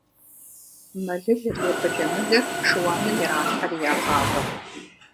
Мэлылыр е былымылыр шыуаным иралъхьэри ягъавэ.